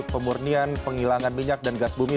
pemurnian penghilangan minyak dan gas bumi